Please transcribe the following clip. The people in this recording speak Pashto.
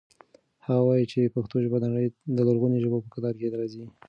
هغه وایي چې پښتو ژبه د نړۍ د لرغونو ژبو په کتار کې راځي.